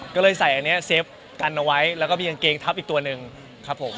ก็เลยใส่อันนี้เซฟกันเอาไว้แล้วก็มีกางเกงทับอีกตัวหนึ่งครับผม